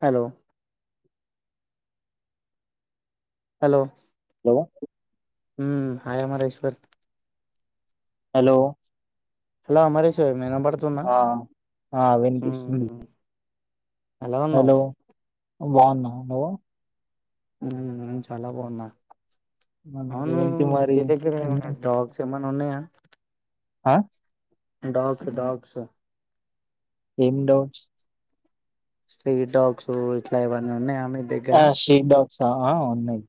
Hello hello లో ఉమ్ hi Amareshwar hello hello Amareshwar వినబడ ఆ అ వినిపిస్తుంది మ్మ్ ఎలా ఉన్నవ్ బాగున్న నువ్ చాల బావున్నా మరి అవును ఏంటి మరి ఇంటి దగ్గర ఏమైన డాక్స్ ఏమైన ఉన్నాయ అయ్ డాక్ డాగ్స్ ఏమ్ డాగ్స్ స్ట్రీట్ డాగ్స్ ఇట్ల యేవన్న ఉన్నయ ఆ షీట్ డాగ్స్ ఆ ఉన్నయి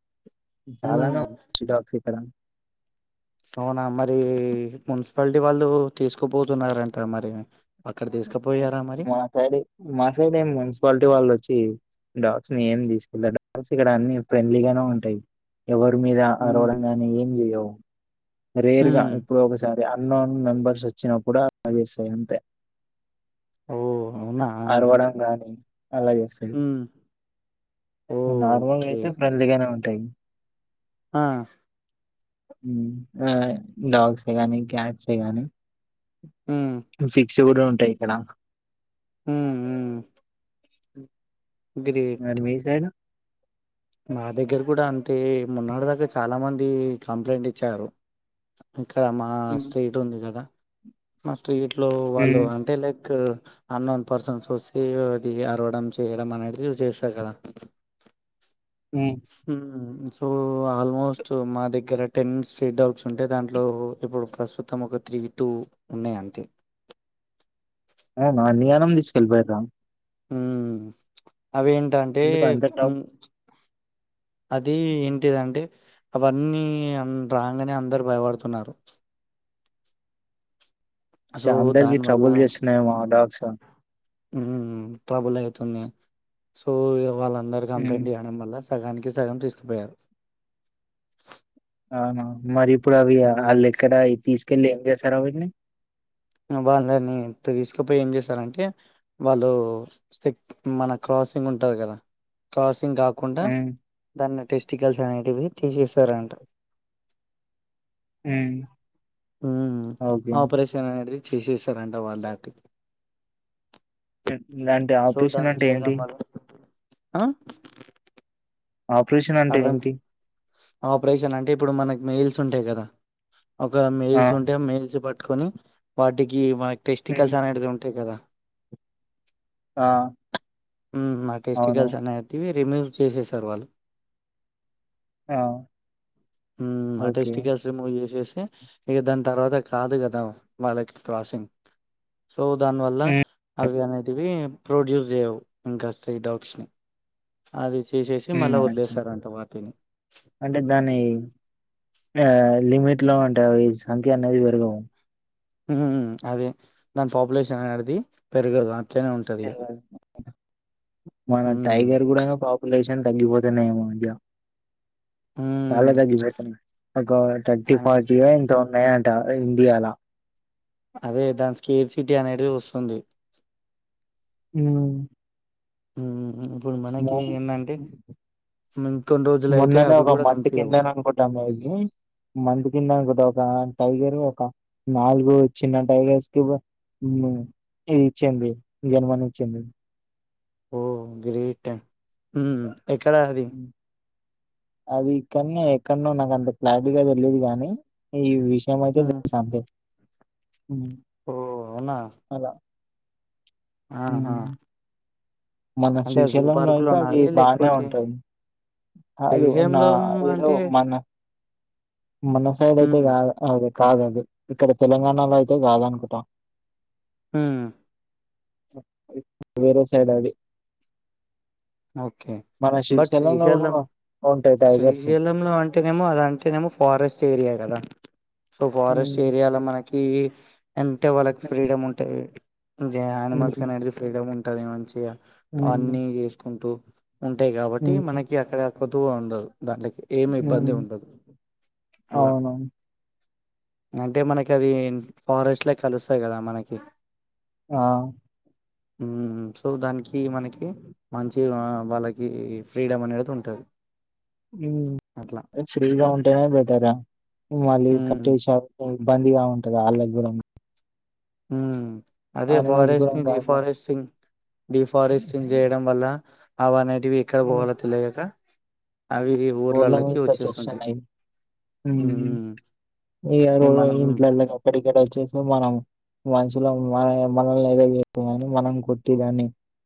మ్మ్ చాలానే ష డాగ్స్ ఇక్కడ అవున మరి మున్సిపాలిటీ వాళ్ళు తీసుకుపోతున్నరంట మరి అక్కడ తీసుకుపోయారా మరి మ సైడ్ మా సైడ్ ఏమి మున్సిపాలిటీ వాళ్ళు వచ్చి డాగ్స్ని ఏం తీసుకెళ్ళ డాగ్స్ ఇక్కడ అన్ని ఫ్రెండ్లీగానే ఉంటాయి ఎవరి మీద మ్మ్ అరవడం గాని ఏం జేయ్యవు రేర్ మ్మ్ గా ఎప్పుడో ఒకసారి అన్నోన్ మెంబర్స్ వచ్చినప్పుడు అలా చేేస్తది అంతే ఓ అవునా అరవడం గాని అలా చేస్తది మ్మ్ ఓ నార్మల్గా ఓకే అయితే ఫ్రెండ్లీగానె ఉంటుంది టైమ్ ఆ ఆ డాగ్సె గాని క్యాట్సే గానీ మ్మ్ జిప్ విక్స్ కూడ ఉంటయి ఇక్కడ ఊ ఉ వుమ్ మరి మీ సైడ్ మా దగ్గర కూడ అంతే మోన్న డ్దాక చాలా మంది కంప్లైంట్ ఇచ్చారు ఇక్కడ మా హ్మ్. స్ట్రీట్ ఉంది కదా నస్ స్ట్రీట్లో వాళ్ళు హ్మ్. అంటే లైక్ అన్నోన్ పర్సన్స్ వస్తే అది అరవడం చేయడం అనేది చేస్తారు కదా హ్మ్. హుమ్ సో ఆల్మోస్ట్ మా దగ్గర టెన్ స్ట్రీట్ అవుట్స్ ఉంటె దాంట్లో ఇప్పుడు ప్రస్తుతం ఒక త్రీ టూ ఉన్నాయి అంతే ఏ అన్నిగనం తీసుకెళ్ళిపోయిన్ర ఉ అవి ఏంటంటే ఎందుకు అంత ట్రబ్ అది ఏంటిదంటే అవన్నీ రాంగానే అందరు భయపడుతున్నారు సో చా అందరికి దాని ట్రబుల్ చేస్తున్నాయేమో ఆ డాగ్స్ ఉ ట్రబుల్ అయితుంది సో ఇవళ అందరు హ్మ్. కంప్లయింట్వడం వల్ల సగానికి సగం తీసుకుపోయారు కారణం మరి ఇప్పుడు అవి ఉమ్. అలెక్కడ ఈ తీస్ తీసుకెళ్లి ఏం చేస్తారు అవన్నీ వాళ్ళని తీసుకుపోయి ఏం చేశారంటే వాళ్ళు, మన క్రాసింగ్ ఉంటాది కదా క్రాసింగ్ ఏం కాకుండా హ్మ్. దాన్ని టెస్ట్ టికిల్స్ అనేటివి తీసేసారంట హ్మ్. ఊ ఓకే. ఆపరేషన్ అనే తీసేసారంట వాళ్ళ దాటి ఇలాంటి సో ఆపరేషన్ దాన్ని అంటే చేయడం ఏంటి వల్ల ఆ ఆపరేషన్ అంటే అర్థం ఏంటి? ఆపరేషన్ అంటే ఇప్పుడు మనకి మెయిల్స్ ఉంటాయి కదా ఒక మెయిల్స్ ఉంటే ఆ మెయిల్స్ బట్ కొని వాటికి వై హ్మ్. టెస్టికల్స్ అనేటిది ఉంటాయి కదా ఆ ఉ ఆ అవును. టెష్టికల్స్ అనేటివి ఇమెయిల్ చేసేసారు వాళ్ళు ఆ! ఉమ్ ఆ ఓకే. టెస్టికల్స్ రిమూవ్ చేసేసా ఇక దాని తర్వాత కాదు కదా వాళ్ళకి క్రాసింగ్ సో దాని వల్ల హ్మ్. అవి అనేది టీవీ ప్రొడ్యూస్ చేయవు ఇంకాస్త ఈ డౌట్స్ ని సారీ తీసేసి మళ్ళా హ్మ్. అచ్చం. వదిలేస్తారంట వాటిని ఆ లిమిట్ లో అంటే అవి సంఖ్య అనేది పెరగవు ఊ అదే దాని పాపులేషన్ అనేది పెరుగదు అ మన హ్మ్. టైగర్ కూడా పాపం రిలేషన్ తగ్గిపోతున్న ఈమధ్య చాలా హ్మ్. తగ్గిపోతున్నాయి ఒక థర్టీ అన్ ఫార్టీ ఓ ఎంతో లేదంట ఇండియాలా అదే దాని స్కేప్ సిటీ అనేది వస్తుంది ఉమ్ ఉహూ ఇప్పుడు మనకి ఎందంటే ఉమ్ మొన్ననే ఒక మంత్ కిందని అనుకుంటాముది మంత్ కింద అనుకుంట ఒక టైగర్ ఒక నాలుగు చిన్న టైగర్స్ కి ఇది ఇచ్చింది జన్మని ఇచ్చింది ఓ గ్రేట్ హ్మ్ ఏక్కడ అది హ్మ్. అది ఇక్కడనే ఎక్కడనో నాకు అంత క్లారిటీ గా తెలీదు గానీ ఈ వి మతే ఓ తెలుసు అంతే ఉమ్ అవునా ఆ ఆ హ్మ్. మన శ్రీశైలంలో అయితే అది బానే ఉంటది కాదు నా శ్రీశైలం ఏదో అంటే మన మన సైడ్ అయితే హ్మ్ కాదు అది కాదు అది ఇక్కడ తెలంగాణలో అయితే కాదనుకుంటాం ఉమ్ వేరే సైడ్ అదీ ఓకే మన బట్ శ్రీశైలంలో గూడా శ్రీశైలం ఉంటాయి టైగర్స్. శ్రీశైలంలో అంటేనేమో అది అంటేనేమో ఫారెస్ట్ ఏరియా కదా సో ఫారెస్ట్ హ్మ్. ఏరియాలో మన ఈ అంటే వాళ్ళకి ఫ్రీడమ్ ఉంటవి జే అనిమల్స్ హ్మ్. కానేది ఫ్రీడమ్ ఉం ఉంటది మంచిగా హ్మ్. అన్ని యూ ఉంటూ ఉంటాయి కాబట్టి హ్మ్. మనకి అక్కడ కొదువ ఉండదు దాంట్లకి ఏమి హ్మ్. ఇబ్బంది హ్మ్. ఉండదు అలా అవును. అంటే మనకి అది ఫారెస్ట్ లో కలుస్తాయి కదా మనకి ఆ హ్మ్ సో దానికి మనకి మంచి వాళ్ళకి ఫ్రీడమ్ అనేది ఉంటది అట్లా హ్మ్ ఫ్రీగా ఉంటేనే బెటర్ రా మళ్ళీ మ్మ్ కట్టేస ఇబ్బందిగా ఉంటది వాళ్ళకి కూడాను హ్మ్ అదే కూడా ఫారెస్ట్ ని అట్లా డిఫారెస్టింగ్ డిఫారెస్ట్ంగ్ చేయడం వల్ల అవనేటి ఎక్కడ పోవాల తెలవక రోడ్ లా మీదకి వచ్చేస్తున్నాయి హ్మ్ మ్మ్ ఎవరెవరో మనం ఇళ్లలో అక్కడక్కడ వచ్చే మనం మనుషులో మన మనల్ని ఏదో చేతుంది అని మనం కొట్టి దాన్ని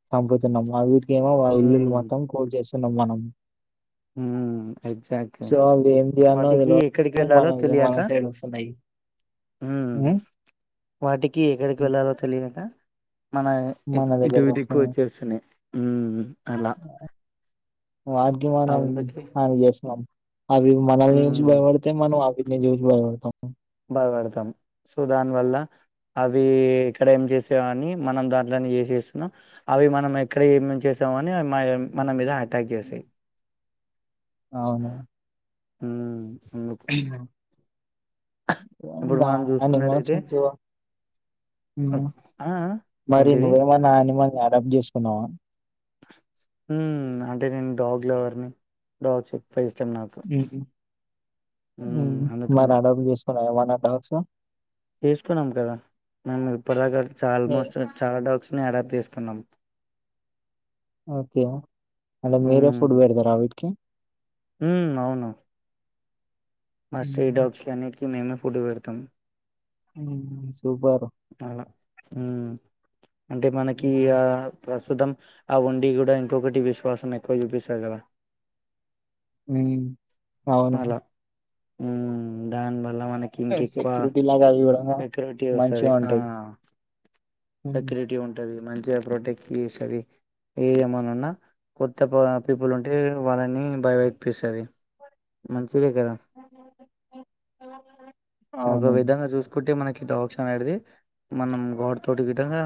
చపుతున్నాం అవి ఏమో వా ఇల్లులు మ్మ్ మాత్రం కూల్చేస్ కున్న మనం హ్మ్ ఎగ్జాక్ట్లీ సో అవి ఏం చేయాలో వాటికి ఎక్కడికి తెలవక మన వెళ్ళాలో మన తెలియక సైడ్ వస్తున్నాయి హ్మ్ వాటికి ఎక్కడికి వెళ్ళాలో తెలియక మన మన ఇటు దగ్గరకు దక్కు వస్తున్నాయి వచ్చేస్తున్నాయి హ్మ్ అలా ఆగ్యమానం అందుకే హాని చేస్తున్నం అవి మనల్ని చూసి ఉమ్ భయపడితే మనం అవి చూసి బయపడ్తం బాధపడతాం సో దానివల్ల అవి ఎక్కడ ఏం చేస్తాయని మనం దాంట్లోనే ఏసస్తున్నా అవి మనం ఎక్కడ ఏమేం చేసామనివి మ మన మీద అటాక్ చేసాయి అవునా ఉమ్ అందుకు ఏం ఇప్పుడు దా మనం అనిమల్స్ చూసుకున్నట్టయితే నుంచి ఆ హ్మ్ ఆ మరి ఏంటిది నువ్వేమన్నా అనిమల్ వా పబ్ చేసుకున్నావా హ్మ్ అంటే నేను డాగ్ లవర్ ని డాగ్ ఎ హ్ ఉమ్ హ్ నా అందుకని డబ్బూలు చేసుకున్నా [unintelligible] [unintelligible] తీసుకున్నాం. కదా మేము ఇప్పటీ దాక ఏ ఆల్మోస్ట్ చాలా డక్ మెంట్స్ని అడబ్ తీసుకున్నాం. ఓకే అంటే మీరే ఫుడ్ పెడతర ఆవిట్కీ ఉ అవును మ సి మ్మ్. డాగ్స్ అనీ మేమే ఫుడ్ పెడతాం ఉ అలా ఉ అంటే మనకి మ్మ్ ఆ ప్రస్ ప్రస్తుతం ఆ వండి కూడా ఇంకొకటి విశ్వాసం ఎక్కువ చూపిస్తది. గదా హ్ అవును హ్ దాని బదు ల మనకి ఇంక ఎక్కువ సెక్యూరిటీ లాగా అవి కూడా సెక్యూరిటీ వస్తది. మంచిగా ఆ ఉంటాయి మ్మ్. సెక్యూరిటీ ఉంటది. మంచి ద్దిగా ప్రొటెక్ట్స చేస్తది. ఏమన్న ఉన్నా కొత్త ప పీపుల్ ఉంటే వాళ్ళని భయపేటిపిస్తాది. మంచి తెలియదు గాదా ఒక అవును విధంగా చూస్కుంటే మనకి డ్వాట్స్ అనేటిది మనం గాడ్ తోటి గిట్టంగా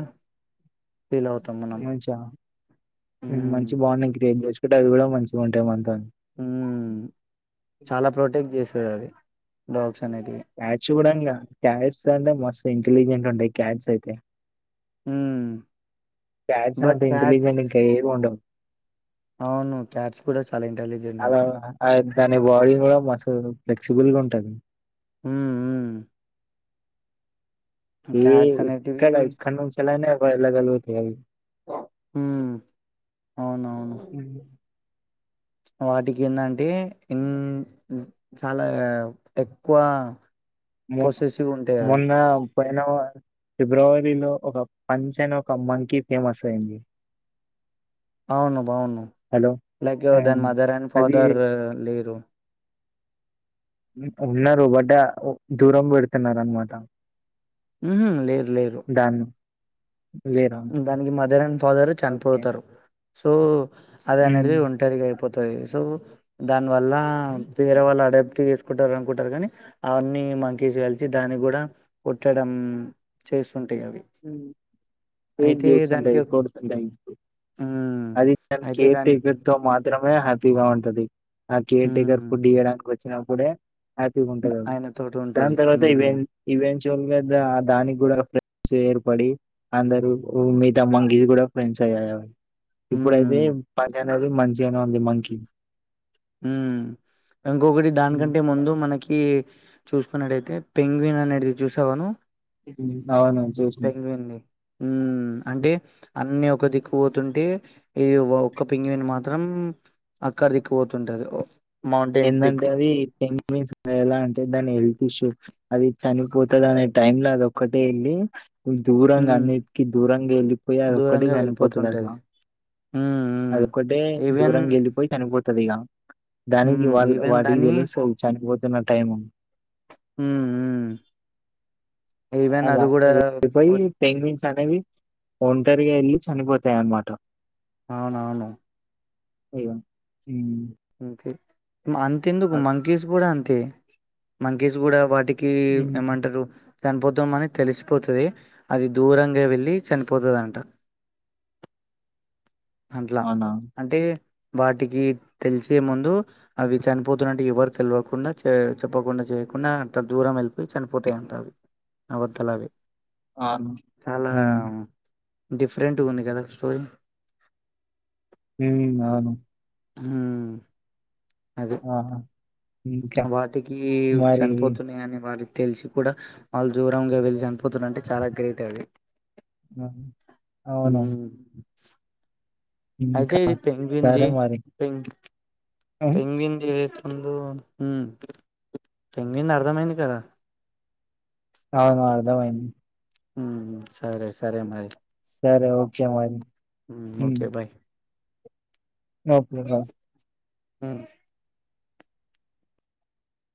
ఏం ఇచ్చావా హ్మ్ మంచి బండింగ్ క్రియేట్ చేయచ్చు. దా అవి కూడా మంచిగా ఉంటాయి. మం హు చాలా ప్రొటెక్ట్ జెస్ లు. అది డాగ్ క్యాట్ చూడంగా క్యాట్స్ అంటే మస్తు ఇంటెలిజెంట్ ఉంటాయి. క్యాట్స్ అయితే హు క్యాట్స్ అంత ఇంటెలిజెంట్ ఇంకా ఏవి ఉండవు. అవును క్యాట్స్ కూడా చాలా ఇంటెలిజెంట్ అద ఉంటాయి అ దాని బాడి కూడా మస్త్ ఫ్లెక్సిబుల్ గా ఉంట టవి హ్ హు ఈ అనేటివి ఇక్కడ ఎక్కడ నుంచెల్లి అయినా ఎల్ వెల్ల గలుగుతాయి హు అవునవును వాటికి ఏన్నంటే అంటే ఇ చాలా ఎక్కువ మ పొసెసివ్ ఉంటాయి అవి మొన్నా పోయిన ఫిబ్రవరిలో ఒక పంచన ఒక మంకీ ఫేమస్ అయింది అవును బాగున్నాం హలో లైక్ ఆ, దన్ మదర్ అండ్ అది ఫాదర్ లేరు ఉన్నారు బట్ దూరం పెడుతున్నారు అనమాట ఉహు లేరు లేరు దాన్ని లేరా దానికి మదర్ అండ్ ఫాదరు ఓకే చనిపోతారు సో అది హ్మ్ అనేట్ది ఒంటరిగా అయిపోతది సో దాని వల్ల వేరే వాళ్ళు అడప్ట్ చెసుకుంటారు అనుకుంటారు కానీ అవన్నీ మంకిస్ కలిసి దానికి కూడా కొట్టడం చేస్ ఉంటయవి వెయిట్ చేస్తుంటయి కొడుతుంటయ్ ఎప్పుడు హ్మ్. అది దాని కేర్ టెకర్ తో మాత్రమే హ్యాపీ గా ఉంటది ఆ కేర్ టేకర్ హ్మ్. ఫుడ్ ఇయడానికొచ్ చిన్నప్పుడే హ్యాపీ గా ఉంటదది ఆయనతోటి దాని ఉంటది. తర్వాత హ్మ్. ఈవెంట్ ఈవెంట్ ట్యొంగడ్రా దానికి గూడాం సెర్పడి అందరు మీగితా మంగీస్ కూడా ఫ్రెండ్స్ అయ్యాయవన్ ఇప్పుడైతే హ్మ్. పచగ్ అది మంచిగనే ఉంది మంకీ ఉమ్ ఇంకొకటి దానికంటే ముందు మనకి చూసుకున్నట్టయితే పెంగ్విన్ అనేట్ది చూసావా నువ్ అవును చూసిన ఉమ్ అంటే అన్ని ఒక్ ఒక్క దిక్కుపోతుంటే ఇది ఒక్క పెంగ్విన్ మాత్రం అక్కడ దిక్కు పోతుంటది ఒక్ ఎందంటే అది పెంగ్విన్స్ ఎలా అంటే దాన్ని ఫుష్ అది చనిపోతదనే టైం లో అది ఒక్కటే వెళ్ళి దూరంగా హ్మ్. అన్నిటికి దూరంగా వెళ్ళిపోయి అదొక్కటే దూరంగా చనిపోతదట్లా, వెళ్ళిపోతుంటది. హ్మ్. హ్మ్. అదొక్కటే ఈవెన్ దూరంగా వెళ్ళిపోయి చనిపోత్ త్తదిగ దానికి హ్మ్. వాళ్ ఈవెన్ వాటికి తెలుస్సయ్ చనిపోత్ తిన్న టైము ఉ ఉ ఈవెన్ అది కూడా వచ్ అవ్వి ఒంటరిగెళ్ళి చనిపోతాయి అన్నమాట అవునవును అయ్యే అంతే అంతెందుకు అలా మంకీస్ కూడా అంత్ అంటే మనకి చూడ వాటికి కే హ్మ్. ఎమాంటారు చనిపోతాం అని తెలిసిపోతుంది అది దూరంగా వెళ్ళి చనిపోతుంది అంట అంట్లా అవునా! అంటే వాటికి తెలిసే ముందు అవి చనిపోతున్నట్టు ఎవరు తెల్వకుండా చె చెప్పకుండా చేయకుండా అంట దూరం వెళ్ళిపోయి చనిపోతాయంట అవి ఆ వద్దల అవి. ఆన్ మ్మ్ డిఫెరెంటుగుంది గదా స్టోరీ హు అవును హు ఆహా ఇంకా వాటికి మరి చనిపోతున్నాయి అని వాటికి తెలిసి కూడా వాళ్ళు దూరంగా వెళ్ళి చనిపోతున్నంటే చాలా గ్రేట్ అది అవును హ్మ్ అయితే ఇంకా ఇది పెంగ్విన్ ది సరే మరి పెంగ్విన్ ఉమ్, పెంగ్విన్ ది ఎత్తు కొందు హు పెంగ్విన్ ది అర్థమైంది కదా అవును అర్థమైంది ఉ సరే సరే మరి సరే ఓకే మరి హు ఉమ్, ఓకే బాయ్ [unintelligible] అ